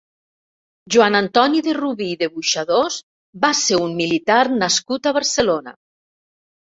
Josep Antoni de Rubí i de Boixadors va ser un militar nascut a Barcelona.